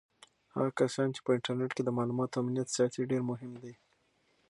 هغه کسان چې په انټرنیټ کې د معلوماتو امنیت ساتي ډېر مهم دي.